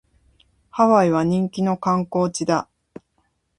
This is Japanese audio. ハワイは人気の観光地だ